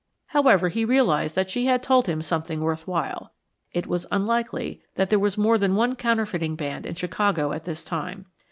However, he realized that she had told him something worth while. It was unlikely that there was more than one counterfeiting band in Chicago at this time.